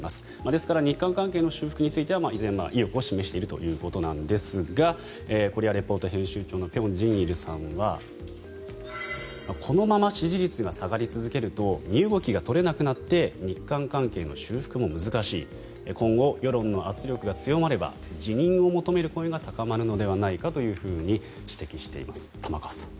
ですから日韓関係の修復については依然として意欲を示しているんですが「コリア・レポート」編集長の辺真一さんはこのまま支持率が下がり続けると身動きが取れなくなって日韓関係の修復も難しい今後、世論の圧力が強まれば辞任を求める声が高まるのではないかと指摘しています。